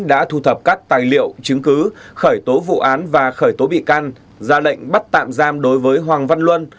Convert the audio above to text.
đã thu thập các tài liệu chứng cứ khởi tố vụ án và khởi tố bị can ra lệnh bắt tạm giam đối với hoàng văn luân